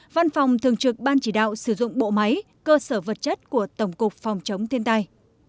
văn phòng thường trực ban chỉ đạo sử dụng bộ máy cơ sở vật chất của tổng cục phòng chống thiên tai